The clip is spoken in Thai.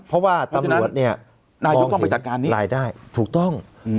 เพราะว่าตำรวจเนี่ยนายกต้องไปจัดการนี้รายได้ถูกต้อง